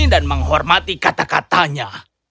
dan menghormati kata katanya